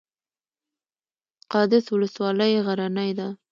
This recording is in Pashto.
قادس ولسوالۍ غرنۍ ده؟